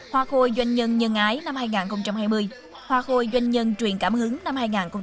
hoa khôi doanh nhân nhân ái năm hai nghìn hai mươi hoa khôi doanh nhân truyền cảm hứng năm hai nghìn hai mươi